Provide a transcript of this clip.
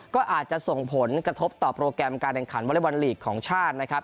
ก็อาจจะส่งผลกระทบต่อโปรแกรมการแข่งขันวอเล็กบอลลีกของชาตินะครับ